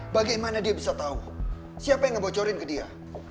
bagaimana dia bisa tahu siapa yang ngebocorin ke dia